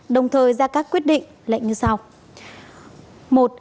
đồng thời ra các quyết định lệnh như sau